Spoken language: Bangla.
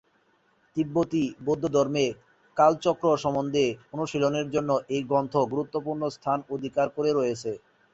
তিব্বতী বৌদ্ধধর্মে কালচক্র সম্বন্ধে অনুশীলনের জন্য এই গ্রন্থ গুরুত্বপূর্ণ স্থান অধিকার করে রয়েছে।